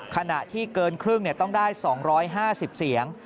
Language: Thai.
ขณะที่เกินครึ่งต้องได้๒๕๐เสียง